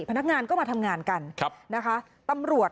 พนักงานก็มาทำงานกันนะคะตำรวจ